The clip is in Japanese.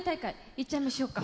いっちゃいましょうか。